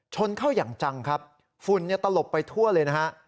ชนเข้าอย่างจังครับฝุ่นเนี่ยตลบไปทั่วเลยนะฮะ